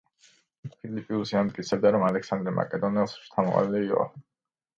ფილიპუსი ამტკიცებდა, რომ ალექსანდრე მაკედონელის შთამომავალი იყო.